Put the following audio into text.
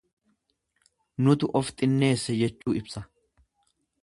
Nutu of xinneesse jechuu ibsa.